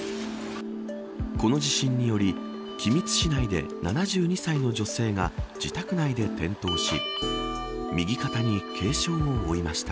この地震により君津市内で、７２歳の女性が自宅内で転倒し右肩に軽傷を負いました。